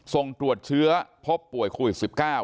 ส่งตรวจเชื้อพบป่วยโควิด๑๙